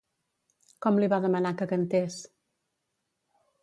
Com li va demanar que cantés?